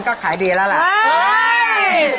นี่มาปากหวานเขาละเคอีก